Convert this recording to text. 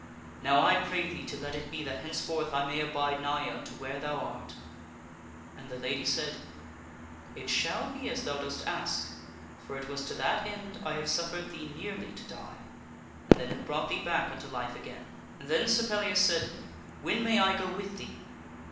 Now, I pray thee to let it be that henceforth I may abide nigh unto where thou art.*' And the lady said, " It shall be as thou dost ask, for it was to that end I have suf fered thee nearly to die, and then have brought thee back unto life again." Then Sir Pellias said, " When may I go with thee?